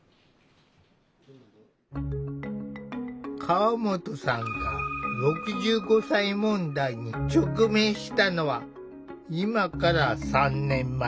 河本さんが「６５歳問題」に直面したのは今から３年前。